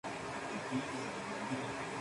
Fue filmado en Los Ángeles y Toronto.